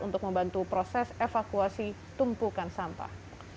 untuk membantu proses evakuasi tumpukan sampah